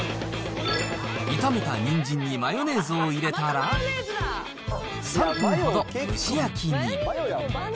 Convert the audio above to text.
炒めたにんじんにマヨネーズを入れたら、３分ほど蒸し焼きに。